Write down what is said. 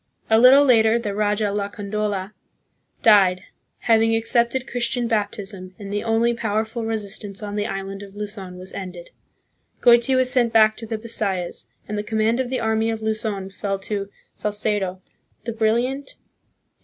A little later the raja Lacandola died, having accepted Christian baptism, and the only powerful resist ance on the island of Luzon was ended. Goiti was sent back to the Bisayas, and the command of the army of Luzon fell to Salcedo, the brilliant and CONQUEST AND SETTLEMENT, 1565 1600.